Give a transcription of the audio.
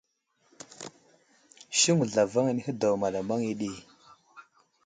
Siŋgu zlavaŋ anəhi daw malamaŋ yo ɗi.